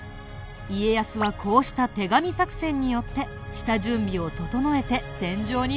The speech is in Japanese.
家康はこうした手紙作戦によって下準備を整えて戦場に向かったんだ。